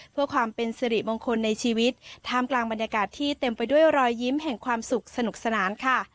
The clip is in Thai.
เพื่อความเป็นสิริมงคลในชีวิตท่ามกลางบรรยากาศที่เต็มไปด้วยรอยยิ้มแห่งความสุขสนุกสนานค่ะ